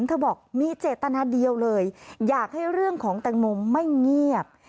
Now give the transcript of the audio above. เธอบอกมีเจตนาเดียวเลยอยากให้เรื่องของแตงโมไม่เงียบ